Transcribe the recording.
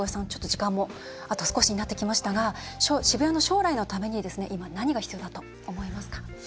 時間も、あと少しになってきましたが渋谷の将来のために今、何が必要だと思いますか？